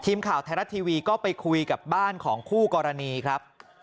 ทีมข่าวไทยรัฐทีวีก็ไปคุยกับบ้านของคู่กรณีครับ